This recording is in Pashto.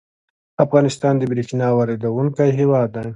افغانستان د بریښنا واردونکی هیواد دی